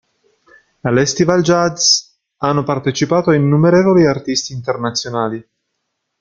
All'Estival Jazz hanno partecipato innumerevoli artisti internazionali.